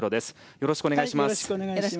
よろしくお願いします。